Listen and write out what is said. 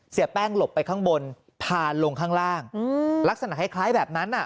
เสียแป้งหลบไปข้างบนพานลงข้างล่างลักษณะคล้ายแบบนั้นอ่ะ